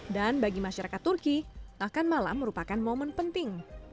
dan bagi masyarakat turki makan malam merupakan momen penting